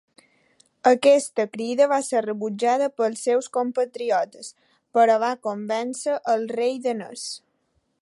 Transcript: Aquesta crida va ser rebutjada pels seus compatriotes, però va convèncer el rei danès.